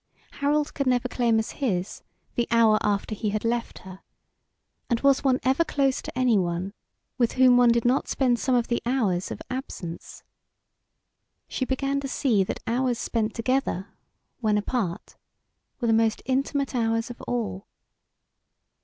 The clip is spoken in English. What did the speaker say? Harold never could claim as his the hour after he had left her, and was one ever close to anyone with whom one did not spend some of the hours of absence? She began to see that hours spent together when apart were the most intimate hours of all.